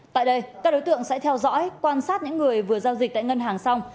tại đây các đối tượng sẽ theo dõi quan sát những người vừa giao dịch tại ngân hàng xong